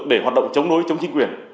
để hoạt động chống đối chống chính quyền